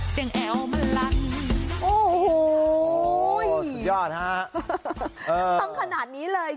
เสียงแอวมันลันโอ้โหโอ้โหสุดยอดฮะเออต้องขนาดนี้เลย